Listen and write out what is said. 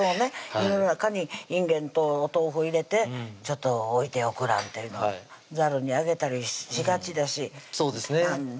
湯の中にいんげんと豆腐入れてちょっと置いておくなんていうのざるに上げたりしがちだしそうですね